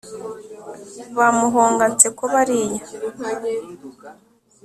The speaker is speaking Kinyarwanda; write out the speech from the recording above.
Ba muhonga-nseko bariya